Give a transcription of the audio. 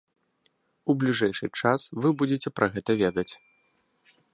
У бліжэйшы час вы будзеце пра гэта ведаць.